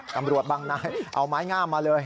ตำรวจบางนายเอาไม้งามมาเลย